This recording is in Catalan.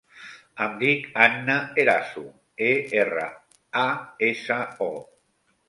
Em dic Hanna Eraso: e, erra, a, essa, o.